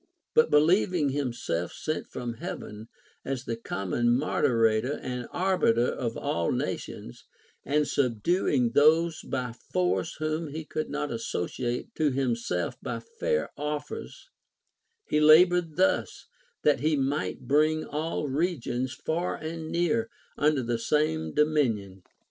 But believing himself sent from Heaven as the common moderator and arbiter of all nations, and subduing those by force whom he could not associate to himself by fair offers, he labored thus, that he might bring all regions, far and near, under the same dominion.